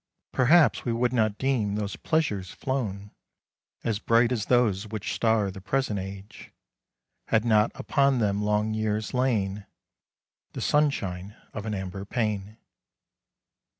Perhaps we would not deem those pleasures flown As bright as those which star the present age, Had not upon them long years lain The sunshine of an amber pane.